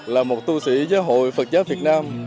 là một tu sĩ giáo hội phật giáo việt nam